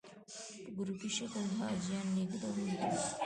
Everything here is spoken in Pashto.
په ګروپي شکل حاجیان لېږدوي.